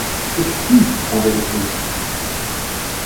Exquis, en vérité!